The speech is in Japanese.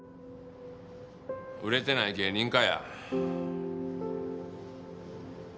売れてない芸人かや。